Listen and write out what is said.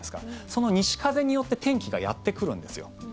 その西風によって天気がやってくるんですよ。